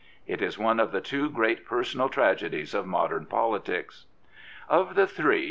It is one of the two great personal tragedies of modern politics. Of the three.